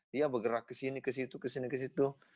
dia bergerak kesini kesitu kesini kesitu